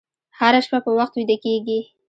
هره شپه په وخت ویده کېږئ.